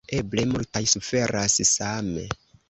Eble multaj suferas same.